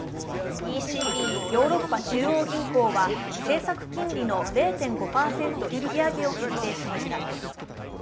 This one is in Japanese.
ＥＣＢ＝ヨーロッパ中央銀行は政策金利の０．５％引き上げを決定しました。